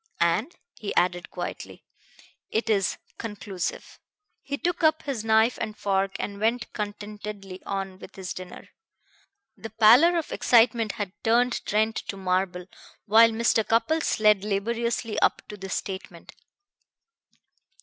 And," he added quietly, "it is conclusive." He took up his knife and fork and went contentedly on with his dinner. The pallor of excitement had turned Trent to marble while Mr. Cupples led laboriously up to this statement.